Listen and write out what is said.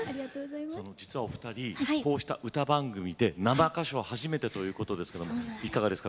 実はお二人こうした歌番組で生歌唱初めてということですけどもいかがですか？